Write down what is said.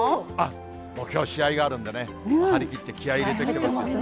きょう試合があるんでね、張り切って気合い入れてきていますよ。